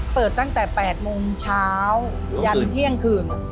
เปิดตั้งแต่๘โมงเช้ายันเที่ยงคืน